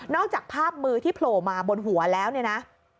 นอกจากภาพมือที่โผล่มาบนหัวแล้วนะ